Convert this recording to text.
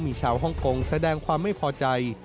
มีชาวฮ่องกงแสดงความไม่พอใจ